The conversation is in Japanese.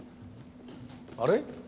あれ？